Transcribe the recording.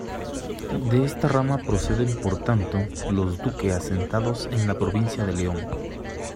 De esta rama proceden por tanto los Duque asentados en la provincia de León.